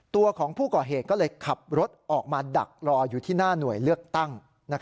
ตัวของผู้ก่อเหตุก็เลยขับรถออกมาดักรออยู่ที่หน้าหน่วยเลือกตั้ง